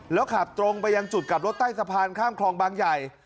แล้วขับตรงไปยังจุดกลับรถใต้สะพานข้ามคลองบางใหญ่